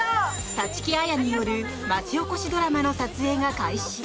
立木彩による町おこしドラマの撮影が開始。